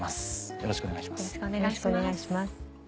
よろしくお願いします。